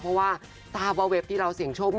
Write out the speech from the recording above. เพราะว่าตาวเว็บว่าที่เราเสี่ยงโชค